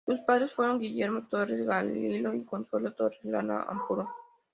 Sus padres fueron Guillermo Torres Barreiro y Consuelo Torres Lara Ampuero.